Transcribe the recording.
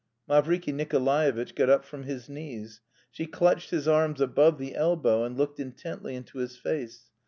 Mavriky Nikolaevitch got up from his knees. She clutched his arms above the elbow and looked intently into his face.